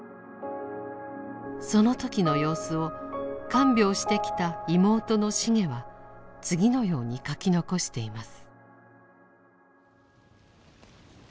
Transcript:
その時の様子を看病してきた妹のシゲは次のように書き残しています。